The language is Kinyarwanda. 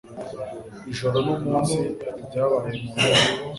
Ijoro n'umunsi ibyabaye mu nkiko